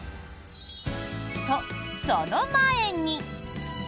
と、その前に。